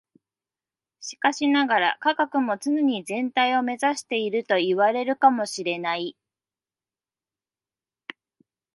しかしながら、科学も常に全体を目指しているといわれるかも知れない。